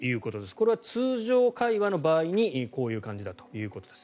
これは、通常会話の場合にこういう感じだということです。